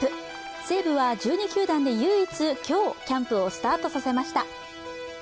西武は１２球団で唯一、今日キャンプをスタートさせました。